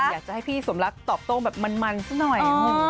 อยากจะให้พี่สมรักตอบโต้แบบมันซะหน่อย